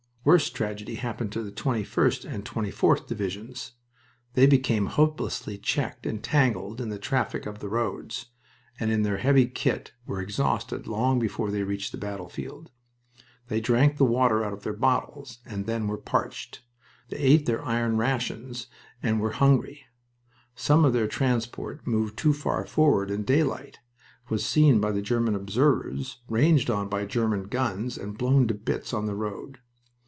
Worse tragedy happened to the 21st and 24th Divisions. They became hopelessly checked and tangled in the traffic of the roads, and in their heavy kit were exhausted long before they reached the battlefield. They drank the water out of their bottles, and then were parched. They ate their iron rations, and then were hungry. Some of their transport moved too far forward in daylight, was seen by German observers, ranged on by German guns, and blown to bits on the road.